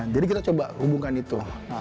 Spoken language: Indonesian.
jadi kita coba hubungkan itu